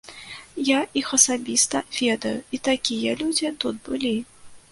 Я іх асабіста ведаю, і такія людзі тут былі.